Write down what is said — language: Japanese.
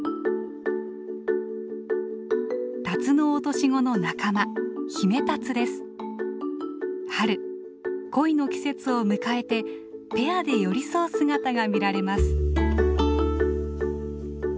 タツノオトシゴの仲間春恋の季節を迎えてペアで寄り添う姿が見られます。